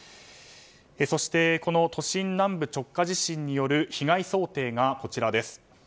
そして、都心南部直下地震による被害想定がこちら。